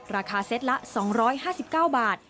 ราคาเซตละ๒๕๙บาท